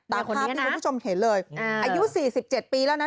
ตามภาพที่คุณผู้ชมเห็นเลยอายุ๔๗ปีแล้วนะ